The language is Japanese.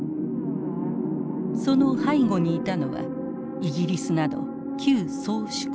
その背後にいたのはイギリスなど旧宗主国。